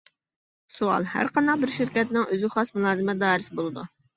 سوئال: ھەرقانداق بىر شىركەتنىڭ ئۆزىگە خاس مۇلازىمەت دائىرىسى بولىدۇ.